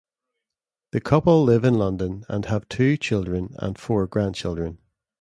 The couple live in London, and have two children, and four grandchildren.